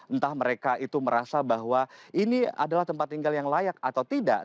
entah mereka itu merasa bahwa ini adalah tempat tinggal yang layak atau tidak